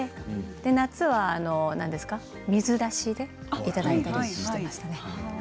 夏は水だしでいれたりしていましたね。